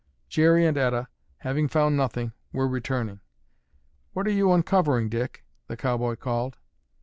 Jerry and Etta, having found nothing, were returning. "What are you uncovering, Dick?" the cowboy called.